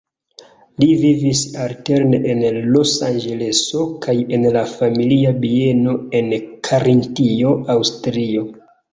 Li vivis alterne en Losanĝeleso kaj en la familia bieno en Karintio, Aŭstrio.